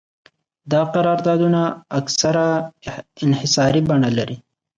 دا قراردادونه اکثراً انحصاري بڼه لري